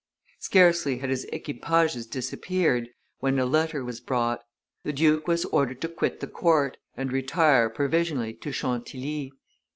Scarcely had his equipages disappeared, when a letter was brought: the duke was ordered to quit the court and retire provisionally to Chantilly.